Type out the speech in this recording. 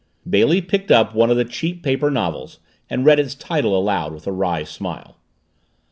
Bailey picked up one of the cheap paper novels and read its title aloud, with a wry smile.